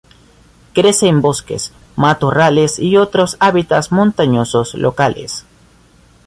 Crece en bosques, matorrales y otros hábitats montañosos locales.